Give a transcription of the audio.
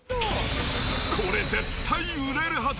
これ絶対売れるはず。